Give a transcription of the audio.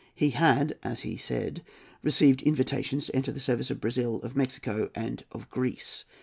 He had, as he said, received invitations to enter the service of Brazil, of Mexico, and of Greece.